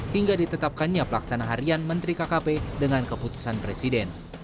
hingga ditetapkannya pelaksana harian menteri kkp dengan keputusan presiden